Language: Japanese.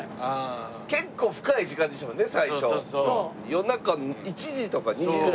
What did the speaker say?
夜中１時とか２時ぐらい。